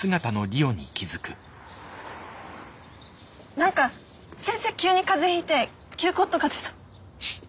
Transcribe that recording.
なんか先生急に風邪ひいて休校とかでさ。